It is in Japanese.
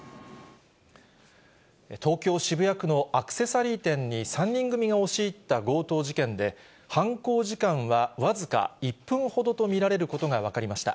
東京・渋谷区のアクセサリー店に３人組が押し入った強盗事件で、犯行時間は僅か１分ほどと見られることが分かりました。